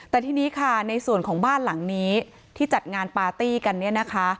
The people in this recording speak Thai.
แต่ทีนี้ค่ะในส่วนของบ้านหลังนี้ที่จัดงานปาร์ตี้กันเนี่ยนะคะ